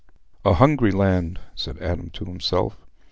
"A hungry land," said Adam to himself.